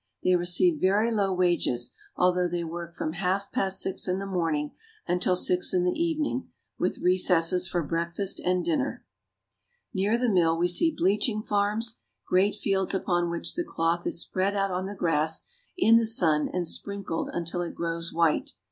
They receive very low wages, although they work from half past six in the morning until six in the evening, with recesses for breakfast and dinner. Near the mill we see bleaching farms, great fields upon which the cloth is spread out on the grass in the sun and sprinkled until it grows white.